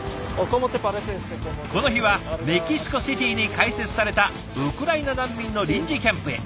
この日はメキシコシティに開設されたウクライナ難民の臨時キャンプへ。